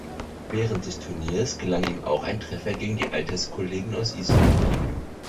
Während des Turniers gelang ihm auch ein Treffer gegen die Alterskollegen aus Island.